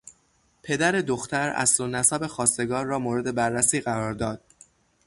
پدر دختر اصل و نسب خواستگار را مورد بررسی قرار داد.